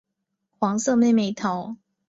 黄色妹妹头。